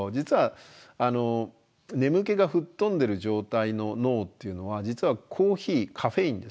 実は眠気が吹っ飛んでる状態の脳っていうのは実はコーヒーカフェインですね